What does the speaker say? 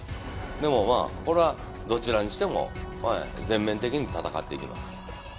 でも、これはどちらにしても全面的に戦っていきます。